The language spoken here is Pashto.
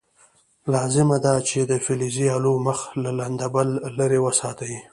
لازمه ده چې د فلزي الو مخ له لنده بل لرې وساتئ.